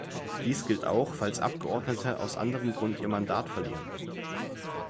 Dies gilt auch, falls Abgeordnete aus anderem Grund ihr Mandat verlieren.